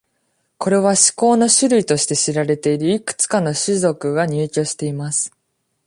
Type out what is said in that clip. これは、「思考の種類」として知られているいくつかの種族が入居しています。